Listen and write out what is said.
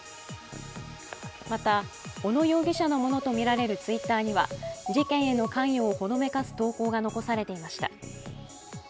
また、小野容疑者のもととみられるＴｗｉｔｔｅｒには事件への関与をほのめかす投稿が残されていました。